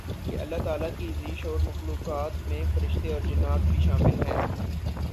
کہ اللہ تعالیٰ کی ذی شعور مخلوقات میں فرشتے اورجنات بھی شامل ہیں